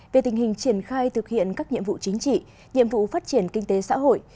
về tình hình triển khai thực hiện các nhiệm vụ chính trị nhiệm vụ phát triển kinh tế xã hội